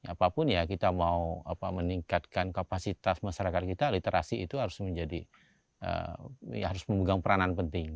apapun ya kita mau meningkatkan kapasitas masyarakat kita literasi itu harus menjadi harus memegang peranan penting